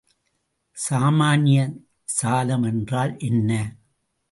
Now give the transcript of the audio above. சாமான்ய சாலம் என்றால் என்ன?